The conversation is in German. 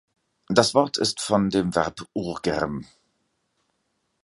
Das Wort ist von dem Verb urgerm.